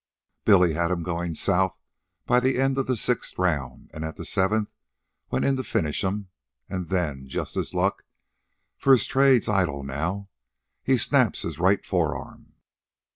Bill had 'm goin' south by the end of the sixth round, an' at the seventh went in to finish 'm. And then just his luck, for his trade's idle now he snaps his right forearm.